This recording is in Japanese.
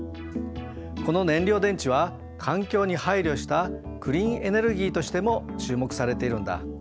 この燃料電池は環境に配慮したクリーンエネルギーとしても注目されているんだ。